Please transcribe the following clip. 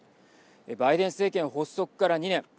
バイデン政権発足から２年。